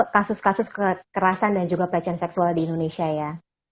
kasus kasus kekerasan dan juga pelecehan seksual di indonesia ya